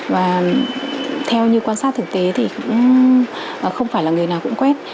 và theo như quan sát thực tế thì cũng không phải là người nào cũng quét